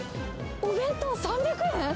お弁当３００円？